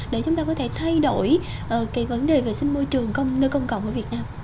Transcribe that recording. để chúng ta có thể thay đổi cái vấn đề vệ sinh môi trường nơi công cộng ở việt nam